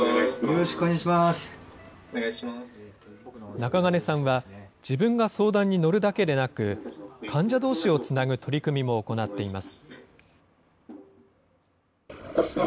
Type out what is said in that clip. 中金さんは、自分が相談に乗るだけでなく、患者どうしをつなぐ取り組みも行っています。